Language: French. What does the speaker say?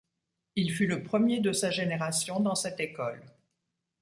Il fut le premier de sa génération dans cette école.